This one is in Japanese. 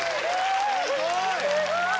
すごい！